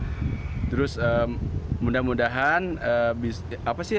kita harus menggunakan bahasa sunda atau budaya sunda dan melestarikan bahasa sunda